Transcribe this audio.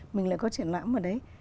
mình lại có triển lãm ở đấy